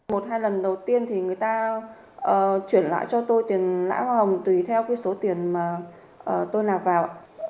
một hai lần đầu tiên thì người ta chuyển lại cho tôi tiền lãi hoa hồng tùy theo số tiền mà tôi lạc vào